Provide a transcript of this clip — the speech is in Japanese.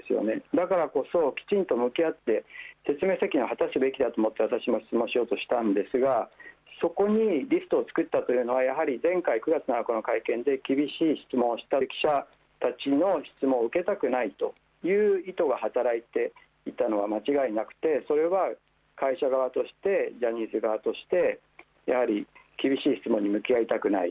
だからこそ、きちんと向き合って説明責任を果たすべきだと思って私も質問しようとしたんですがそこにリストを作ったというのは前回の会見で厳しい質問をした記者たちの質問を受けたくないという意図が働いていたのは間違いなくて会社側としてジャニーズ側としてやはり厳しい質問に向き合いたくない。